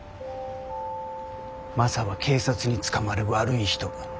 「マサは警察に捕まる悪い人。